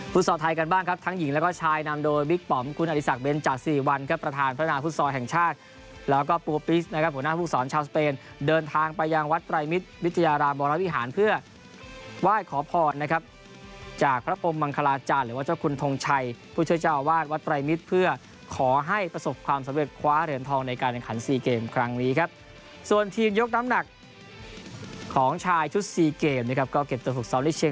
พุทธศาสตร์ไทยกันบ้างครับทั้งหญิงแล้วก็ชายนำโดวิกปำคุณอริสักเบนจาศรีวัลครับประธานพรรณาพุทธศาสตร์แห่งชาติแล้วก็ปุปริศนะครับผู้หน้าภูกษรชาวสเปนเดินทางไปยังวัดไตรมิตรวิทยาลามบรวมวิหารเพื่อว่าขอพอดนะครับจากพระอมมังคลาจารย์หรือว่าเจ้าคุณทงชัยผู้